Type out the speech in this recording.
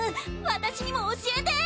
私にも教えて！